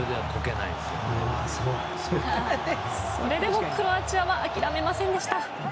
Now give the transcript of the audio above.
それでも、クロアチアは諦めませんでした。